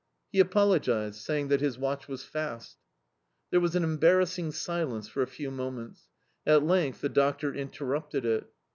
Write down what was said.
He apologized, saying that his watch was fast. There was an embarrassing silence for a few moments. At length the doctor interrupted it.